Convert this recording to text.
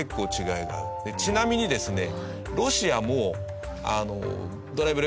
ちなみにですね。